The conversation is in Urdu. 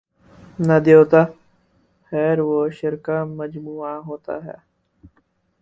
نہ دیوتا، خیر وشرکا مجموعہ ہوتا ہے۔